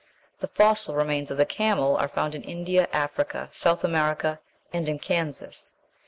The fossil remains of the camel are found in India, Africa, South America, and in Kansas.